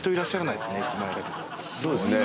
そうですね。